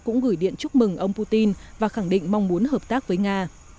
cũng gửi điện chúc mừng ông putin và khẳng định mong muốn hợp tác với nga